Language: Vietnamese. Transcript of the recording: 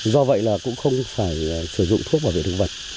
do vậy là cũng không phải sử dụng thuốc bảo vệ thực vật